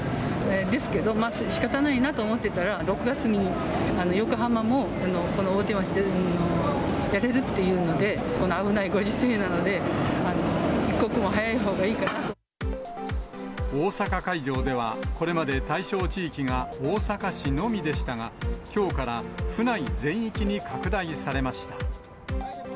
ですけど、しかたないなと思ってたら、６月に横浜もこの大手町でやれるっていうので、危ないご時世なので、大阪会場では、これまで対象地域が大阪市のみでしたが、きょうから府内全域に拡大されました。